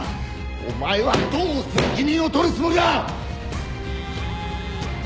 お前はどう責任を取るつもりだ！